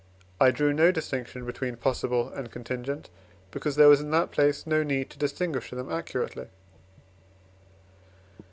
I drew no distinction between possible and contingent, because there was in that place no need to distinguish them accurately.)